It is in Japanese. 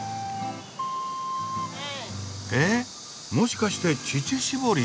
えっもしかして乳搾り？